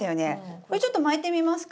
これちょっと巻いてみますか。